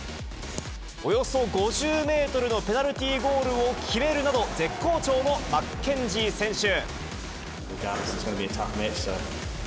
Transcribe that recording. およそ５０メートルのペナルティーゴールを決めるなど、絶好調のマッケンジー選手。